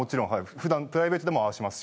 ふだんプライベートでもああしますし。